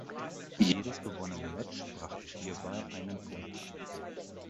Jedes gewonnene Match brachte hierbei einen Punkt.